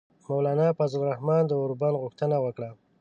مولانا فضل الرحمان د اوربند غوښتنه وکړه.